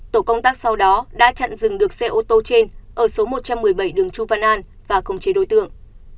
tổ công tác sau đó đã chặn dừng được xe ô tô trên ở số một trăm một mươi bảy đường chu văn an và khống chế đối tượng